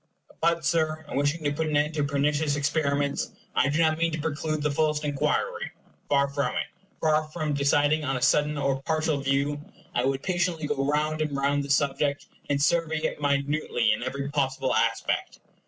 But, Sir, in wishing to put an end to pernicious experiments, I do not mean to preclude the fullest inquiry. Far from it. Far from deciding on a sudden or partial view, I would patiently go round and round the subject, and survey it minutely in every possible aspect.